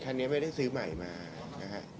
คือคันนี้ไม่ได้ซื้อใหม่มานะครับ